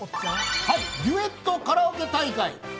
デュエットカラオケ大会。」